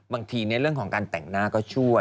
ในเรื่องของการแต่งหน้าก็ช่วย